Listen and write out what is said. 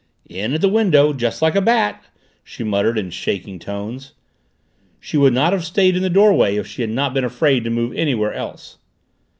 "In at the window just like a bat!" she muttered in shaking tones. She would not have stayed in the doorway if she had not been afraid to move anywhere else.